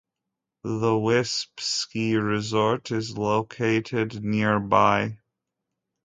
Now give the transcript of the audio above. The Wisp ski resort is located nearby.